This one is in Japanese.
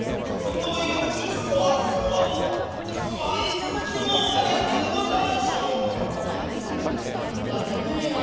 そのようにそわそわとお前相撲が見たいのでござんしょ。